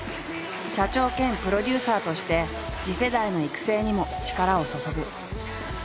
社長兼プロデューサーとして次世代の育成にも力を注ぐ。